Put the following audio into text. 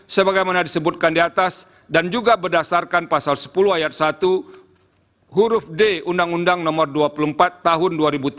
sebagaimana disebutkan di atas dan juga berdasarkan pasal sepuluh ayat satu huruf d undang undang nomor dua puluh empat tahun dua ribu tiga